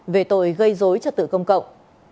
về tội gây dối trật tự công cộng